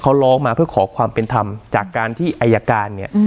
เขาร้องมาเพื่อขอความเป็นธรรมจากการที่อายการเนี่ย